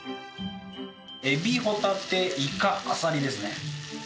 エビホタテイカアサリですね。